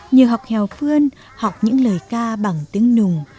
nhờ học hèo phương học những lời ca bằng tiếng nùng